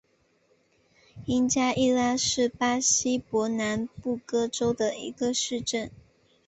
因加泽拉是巴西伯南布哥州的一个市镇。